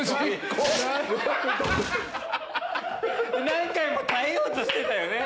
何回も耐えようとしてたよね